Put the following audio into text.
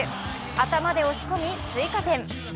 頭で押し込み追加点。